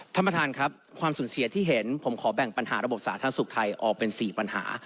ท่านประธานครับความสูญเสียที่เห็นผมขอแบ่งปัญหาระบบสาธารณสุขไทยออกเป็น๔ปัญหา